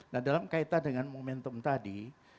nah dalam kaitan dengan momentum tadi